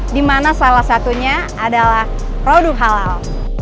di mana salah satunya adalah produk halal